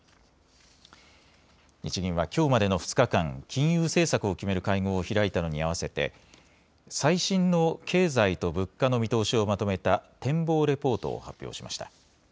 日銀はきょうまでの２日間金融政策を決める会合を開いたのに合わせて最新の経済と物価の見通しをまとめた展望レポートを発表しました。